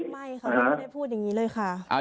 ไม่ค่ะยังไม่ได้พูดอย่างนี้เลยค่ะ